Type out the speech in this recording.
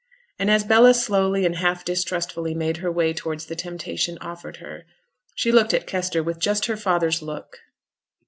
And as Bella slowly and half distrustfully made her way towards the temptation offered her, she looked at Kester with just her father's look.